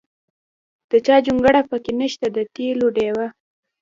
د چا جونګړه پکې نشته د تېلو ډیوه.